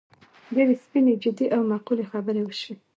ډېرې سپینې، جدي او معقولې خبرې وشوې.